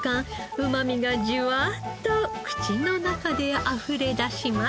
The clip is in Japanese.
うまみがジュワッと口の中であふれ出します。